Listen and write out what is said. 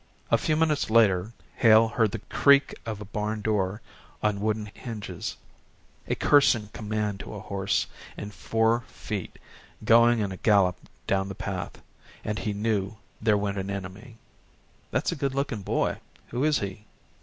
A few minutes later Hale heard the creak of a barn door on wooden hinges, a cursing command to a horse, and four feet going in a gallop down the path, and he knew there went an enemy. "That's a good looking boy who is he?"